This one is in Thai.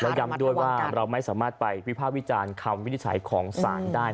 แล้วย้ำด้วยว่าเราไม่สามารถไปวิภาควิจารณ์คำวินิจฉัยของศาลได้